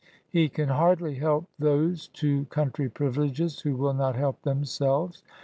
He can hardly help those to country privileges who will not help themselves.